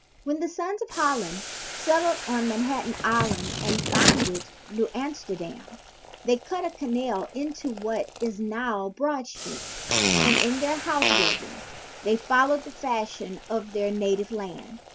When the sons of Holland settled on Manhattan Island and founded New Amsterdam, they cut a canal into what is now Broad Street; and in their house building they followed the fashions of their native land.